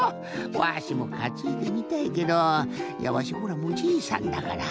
わしもかついでみたいけどいやわしほらもうおじいさんだから。